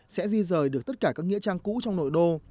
sẽ di rời được tất cả các nghĩa trang cũ trong nội đô